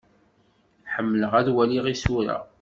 Ḥemmleɣ ad waliɣ isura.